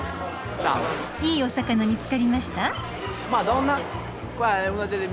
いいお魚見つかりました？